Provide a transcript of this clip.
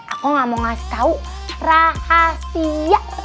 aku gak mau ngasih tau kamu apa aja